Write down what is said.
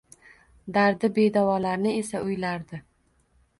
Dardi bedavolarni esa o’ylardi.